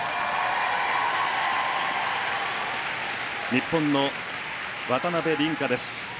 日本の渡辺倫果です。